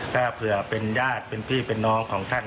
ถ้าเผื่อเป็นญาติเป็นพี่เป็นน้องของท่าน